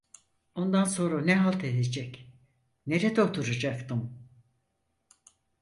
Ondan sonra ne halt edecek, nerede oturacaktım?